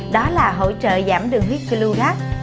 đó là hỗ trợ giảm đường huyết kỳ lưu gác